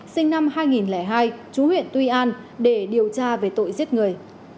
sinh năm hai nghìn hai chú huyện tuy an để điều tra về tội giết người